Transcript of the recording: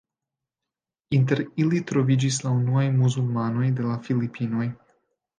Inter ili troviĝis la unuaj muzulmanoj de la Filipinoj.